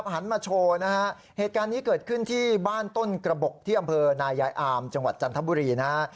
หันมาให้ดูหันมาโชว์มีแผน